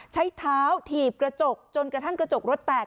ใช้เท้าถีบกระจกจนกระทั่งกระจกรถแตก